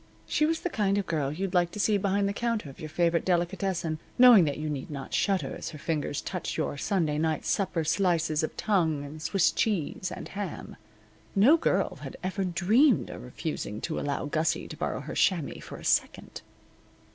She was the kind of girl you'd like to see behind the counter of your favorite delicatessen, knowing that you need not shudder as her fingers touch your Sunday night supper slices of tongue, and Swiss cheese, and ham. No girl had ever dreamed of refusing to allow Gussie to borrow her chamois for a second.